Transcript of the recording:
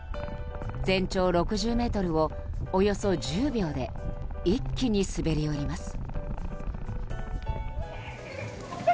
全長６０ｍをおよそ１０秒で一気に滑り降ります。